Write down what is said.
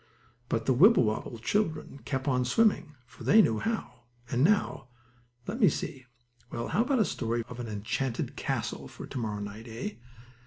But the Wibblewobble children kept on swimming, for they knew how; and now, let me see; well, how about a story of an enchanted castle for to morrow night; eh?